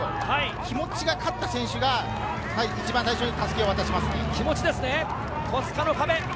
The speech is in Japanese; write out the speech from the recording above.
気持ちが勝った選手が一番最初に襷を渡しますね。